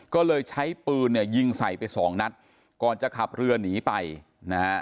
ก็เลยใช้ปืนเนี่ยยิงใส่ไปสองนัดก่อนจะขับเรือหนีไปนะฮะ